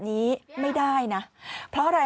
เจอเขาแล้ว